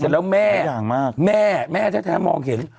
แล้วแม่แม่แม่แท้แท้มองเห็น